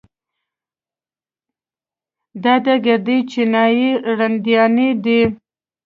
دا ګردې چينايي رنډيانې دي.